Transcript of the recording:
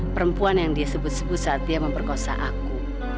perempuan yang dia sebut sebut saat dia memperkosa aku